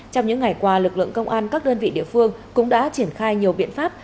trong những ngày qua lực lượng công an các đơn vị địa phương cũng đã triển khai nhiều biện pháp